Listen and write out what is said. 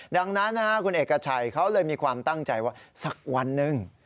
ดังนั้นคุณเอกชัยเขาเลยมีความตั้งใจว่าสักวันหนึ่ง